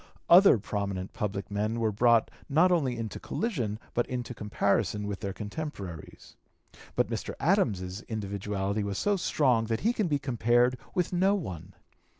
Other prominent public men were brought not only into collision but into comparison with their contemporaries. But Mr. Adams's individuality was so strong that he can be compared with no one.